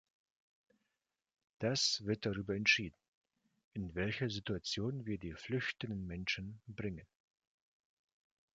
Das wird darüber entscheiden, in welche Situationen wir die flüchtenden Menschen bringen.